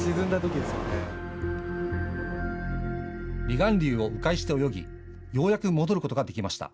離岸流をう回して泳ぎようやく戻ることができました。